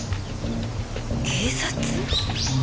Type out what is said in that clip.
警察？